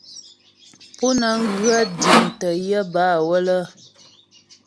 Pú nə́ŋ ghə jiŋtə́ yə bâ wələ.